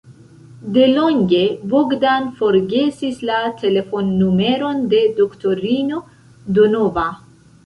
Delonge Bogdan forgesis la telefonnumeron de doktorino Donova.